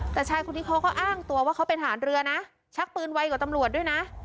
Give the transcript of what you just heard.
แต่ชายคนนี้เขาก็อ้างตัวว่าเขาเป็นทหารเรือนะชักปืนไวกว่าตำรวจด้วยนะ